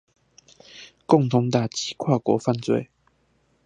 共同打擊跨國犯罪